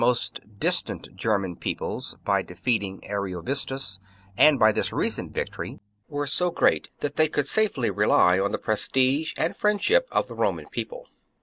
c. most distant German peoples, by defeating Ario vistus and by this recent victory, were so great that they could safely rely on the prestige and friendship of the Roman People.